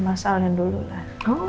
masa awal yang dulu lah